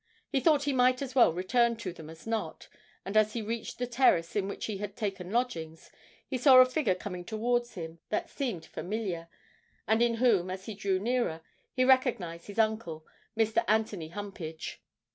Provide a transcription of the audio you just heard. He thought he might as well return to them as not, and as he reached the terrace in which he had taken lodgings, he saw a figure coming towards him that seemed familiar, and in whom, as he drew nearer, he recognised his uncle, Mr. Antony Humpage.